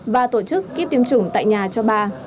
và tổ chức kiếp tiêm chủng tại nhà cho bà